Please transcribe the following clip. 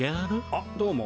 あっどうも。